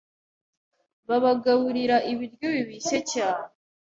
babagaburira ibiryo bibishye cyane